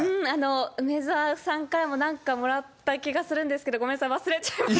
梅澤さんからもなんかもらった気がするんですけど、ごめんなさい、忘れちゃいました。